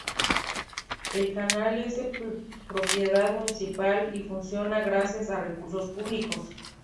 El canal es de propiedad municipal y funciona gracias a recursos públicos.